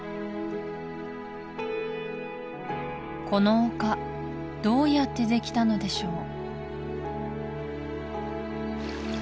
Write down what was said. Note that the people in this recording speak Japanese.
この丘どうやってできたのでしょう？